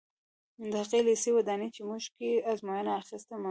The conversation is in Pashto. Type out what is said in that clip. د هغه لېسې ودانۍ چې موږ په کې ازموینه اخیسته منظمه وه.